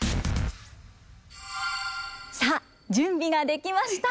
さあ準備ができました。